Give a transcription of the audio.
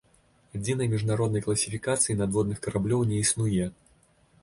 Адзінай міжнароднай класіфікацыі надводных караблёў не існуе.